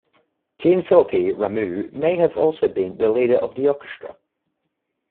Jean-Philippe Rameau may also have been the leader of the orchestra.